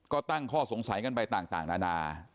ก็ตั้งข้อสงสัยกันไปต่างนานา